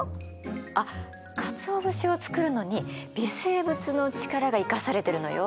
あっかつお節を作るのに微生物の力が生かされてるのよ。